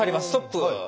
ストップ。